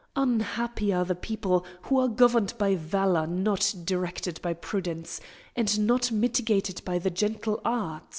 Unhappy are the people who are governed by valour not directed by prudence, and not mitigated by the gentle arts!